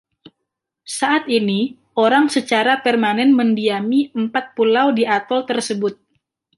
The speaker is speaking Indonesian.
Saat ini, orang secara permanen mendiami empat pulau di atol tersebut.